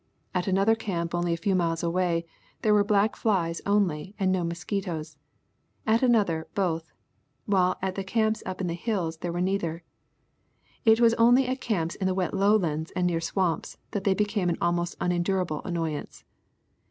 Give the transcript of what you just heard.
At another camp only a few miles away there w^ere black flies only and no mosquitoes, at another both, while at the camps up in the hills there were neither. It was only at camps in the wet lowlands and near swamps, that they became an almost unendurable annoyance.